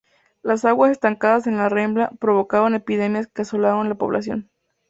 Las aguas estancadas en la rambla provocaron epidemias que asolaron la población.